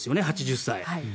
８０歳。